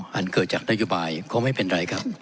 อันเกิดจากนโยบายก็ไม่เป็นไรครับ